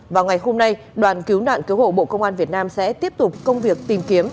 vào ngày hôm nay đoàn cứu nạn cứu hộ bộ công an việt nam sẽ tiếp tục công việc tìm kiếm